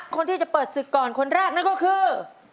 คนที่จะเปิดศึกก่อนคนแรกนั่นก็คือ